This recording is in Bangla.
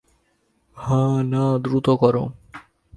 হা-না, দ্রুত করো।